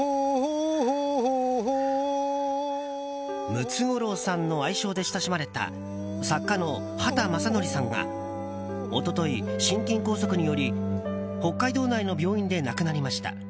ムツゴロウさんの愛称で親しまれた、作家の畑正憲さんが一昨日、心筋梗塞により北海道内の病院で亡くなりました。